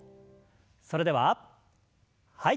それでははい。